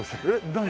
何？